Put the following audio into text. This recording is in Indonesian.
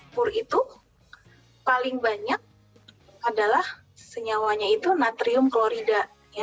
pur itu paling banyak adalah senyawanya itu natrium klorida